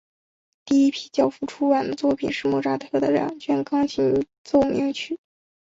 第一批交付出版的作品是莫扎特的两卷钢琴奏鸣曲。